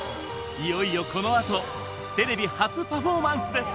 いよいよこのあとテレビ初パフォーマンスです！